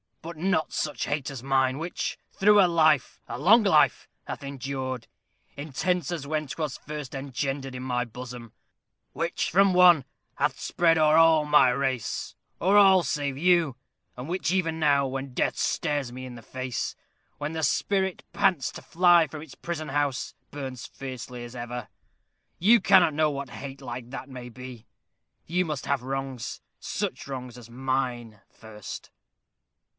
"But not such hate as mine, which, through a life, a long life, hath endured, intense as when 'twas first engendered in my bosom; which from one hath spread o'er all my race o'er all save you and which even now, when death stares me in the face when the spirit pants to fly from its prison house, burns fiercely as ever. You cannot know what hate like that may be. You must have wrongs such wrongs as mine first."